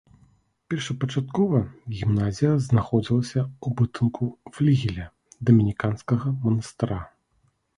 Першапачаткова гімназія знаходзілася ў будынку флігеля дамініканскага манастыра.